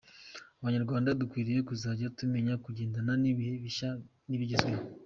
Abanyarwanda dukwiriye kuzajya tumenya kugendana n’ibihe bishya n’ibigezweho.